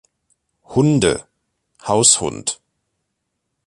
Hunde, Haushund